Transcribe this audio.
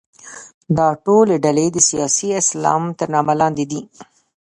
دا ټولې ډلې د سیاسي اسلام تر نامه لاندې دي.